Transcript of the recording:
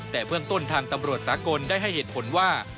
แต่เบื้องต้นทางตำรวจสากลได้ให้เหตุผลว่า